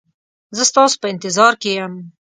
زه ستاسو په انتظار کې یم